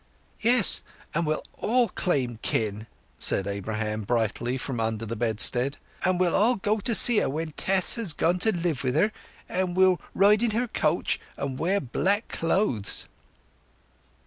"Yes; and we'll all claim kin!" said Abraham brightly from under the bedstead. "And we'll all go and see her when Tess has gone to live with her; and we'll ride in her coach and wear black clothes!"